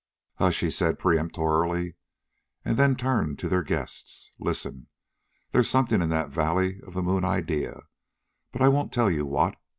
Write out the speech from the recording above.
"Hush," he said peremptorily, then turned to their guests. "Listen. There's something in that valley of the moon idea, but I won't tell you what.